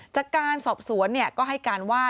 จากการสอบสวนก็ให้การว่า